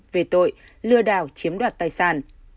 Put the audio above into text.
về tội lừa đảo chiếm đoạt tài sản